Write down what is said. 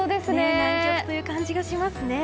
南極という感じがしますね。